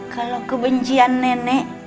kalau kebencian nenek